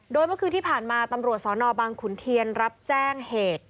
โดยเมื่อคืนที่ผ่านมาตำรวจสนบังขุนเทียนรับแจ้งเหตุ